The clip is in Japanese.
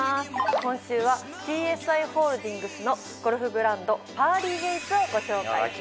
今週はＴＳＩホールディングスのゴルフブランドパーリーゲイツをご紹介します。